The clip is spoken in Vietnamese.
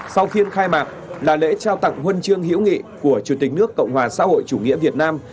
sau phiên khai mạc là lễ trao tặng huân chương hữu nghị của chủ tịch nước cộng hòa xã hội chủ nghĩa việt nam